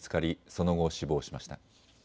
その後、死亡しました。